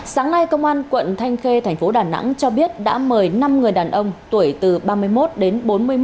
sáng nay công an quận thanh khê thành phố đà nẵng cho biết đã mời năm người đàn ông tuổi từ ba mươi một đến bốn mươi một